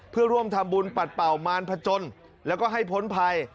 เพื่อร่วมทำบุญปัดเป่ามารพจนแล้วก็ให้พ้นภัย